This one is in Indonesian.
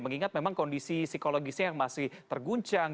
mengingat memang kondisi psikologisnya yang masih terguncang